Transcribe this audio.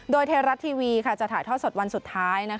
โดยเทราะห์ทีวีจะถ่ายท่อสดวันสุดท้าย